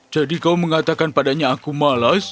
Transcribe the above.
jadi kau mengatakan padanya aku malas